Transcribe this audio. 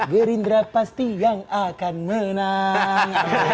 gerindra pasti yang akan menang